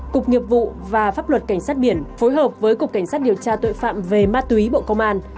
cục nghiệp vụ và pháp luật cảnh sát biển phối hợp với cục cảnh sát điều tra tội phạm về ma túy bộ công an